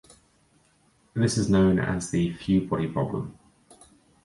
This is known as the few-body problem.